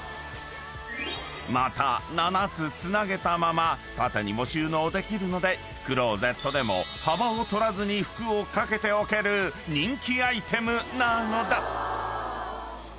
［また７つつなげたまま縦にも収納できるのでクローゼットでも幅を取らずに服を掛けておける人気アイテムなのだ］